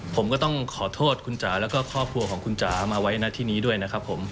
ผมก็ต้องขอโทษคุณจ๋าแล้วก็ครอบครัวของคุณจ๋ามาไว้หน้าที่นี้ด้วยนะครับผม